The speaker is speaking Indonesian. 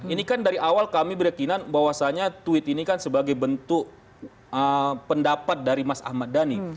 ini kan dari awal kami beryakinan bahwasannya tweet ini kan sebagai bentuk pendapat dari mas ahmad dhani